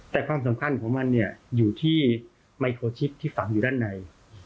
แต่ความสำคัญของมันเนี่ยอยู่ที่ไมโครชิกที่ฝังอยู่ด้านใน